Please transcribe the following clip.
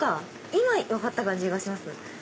今分かった感じがします。